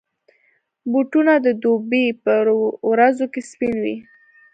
بوټونه د دوبي پر ورځو کې سپین وي.